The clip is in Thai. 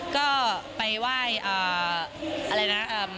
ก็ไปไหว้อะไรนะ